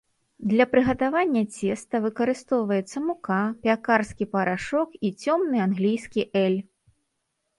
Для прыгатавання цеста выкарыстоўваецца мука, пякарскі парашок і цёмны англійскі эль.